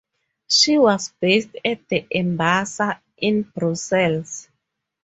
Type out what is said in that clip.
She was based at the embassy in Brussels.